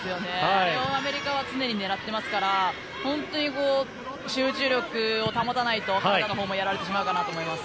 これをアメリカは常に狙っていますから本当に集中力を保たないとカナダのほうもやられてしまうかなと思います。